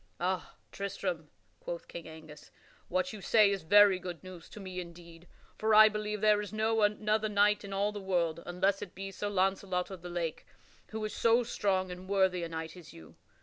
"Ah, Tristram," quoth King Angus, "what you say is very good news to me indeed. For I believe there is no other knight in all the world (unless it be Sir Launcelot of the Lake) who is so strong and worthy a knight as you.